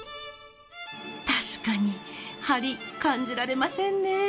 たしかにハリ感じられませんね。